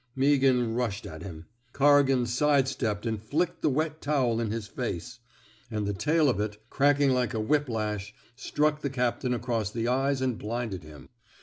'' Meaghan rushed at him. Corrigan side stepped and flicked the wet towel in his face; and the tail of it, cracking like a whip lash, struck the captain across the eyes and blinded him.